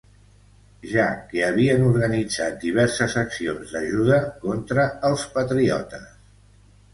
Ja que havien organitzat diverses accions d'ajuda contra els Patriotes.